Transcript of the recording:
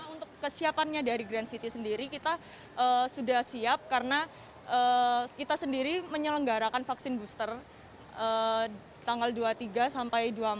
untuk kesiapannya dari grand city sendiri kita sudah siap karena kita sendiri menyelenggarakan vaksin booster tanggal dua puluh tiga sampai dua puluh empat